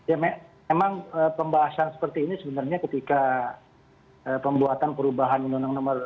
ya memang pembahasan seperti ini sebenarnya ketika pembuatan perubahan u lima